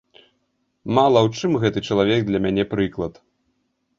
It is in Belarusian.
Мала ў чым гэты чалавек для мяне прыклад.